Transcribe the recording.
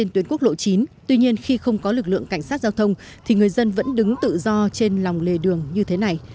tuy nhiên khi không có lực lượng cảnh sát giao thông thì người dân vẫn đứng tự do trên lòng lề đường như thế này